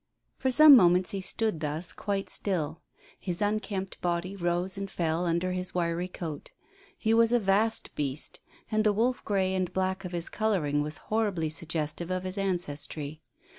For some moments he stood thus, quite still. His unkempt body rose and fell under his wiry coat. He was a vast beast, and the wolf grey and black of his colouring was horribly suggestive of his ancestry.